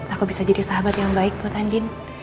aku bisa jadi sahabat yang baik buat andin